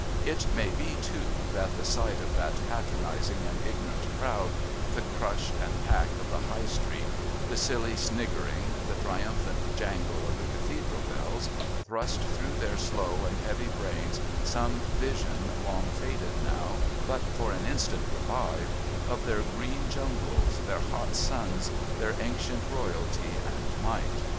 It may be, too, that the sight of that patronising and ignorant crowd, the crush and pack of the High Street, the silly sniggering, the triumphant jangle of the Cathedral bells, thrust through their slow and heavy brains some vision long faded now, but for an instant revived, of their green jungles, their hot suns, their ancient royalty and might.